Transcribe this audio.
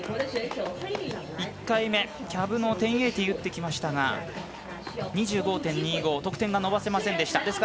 １回目、キャブの１０８０を打ってきましたが２５．２５と得点を伸ばせませんでした。